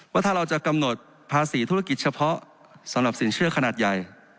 ว่าถ้าเราจะกำหนดภาษีธุรกิจเฉพาะสำหรับสินเชื่อขนาดใหญ่